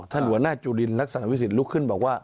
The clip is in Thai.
หัวหน้าจุลินลักษณะวิสิทธิลุกขึ้นบอกว่า